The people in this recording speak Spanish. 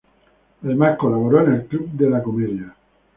Además colaboró en "El club de la comedia".